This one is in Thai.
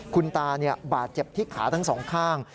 คุณตาบาดเจ็บที่ขาทั้งสองข้าง